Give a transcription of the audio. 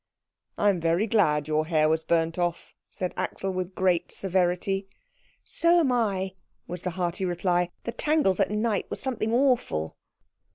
"I am very glad your hair was burnt off," said Axel with great severity. "So am I," was the hearty reply. "The tangles at night were something awful."